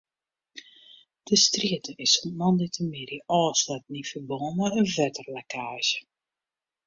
De strjitte is sûnt moandeitemiddei ôfsletten yn ferbân mei in wetterlekkaazje.